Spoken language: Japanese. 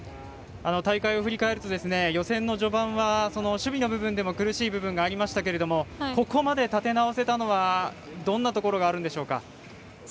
大会を振り返ると予選の序盤は、守備の部分でも苦しい部分がありましたけどここまで立て直せたのはどんなところがあるんでしょうか。